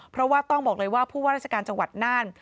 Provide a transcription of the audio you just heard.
เพราะว่าต้องบอกเลยว่าผู้ว่าราชการจังหวัดน่าน